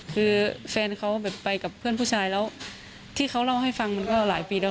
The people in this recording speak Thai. คือแฟนเขาแบบไปกับเพื่อนผู้ชายแล้วที่เขาเล่าให้ฟังมันก็หลายปีแล้ว